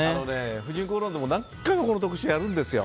「婦人公論」でも何回もこの特集やるんですよ。